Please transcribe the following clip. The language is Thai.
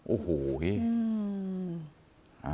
โอ้โหเฮ้